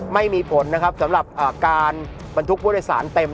ไม่มีผลนะครับสำหรับการบรรทุกบริษันเต็ม